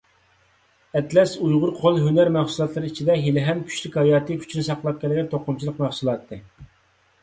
ئەتلەس ئۇيغۇر قول ھۈنەر مەھسۇلاتلىرى ئىچىدە ھېلىھەم كۈچلۈك ھاياتىي كۈچىنى ساقلاپ كەلگەن توقۇمىچىلىق مەھسۇلاتى.